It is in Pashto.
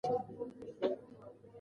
پاکه خاوره وژغوره.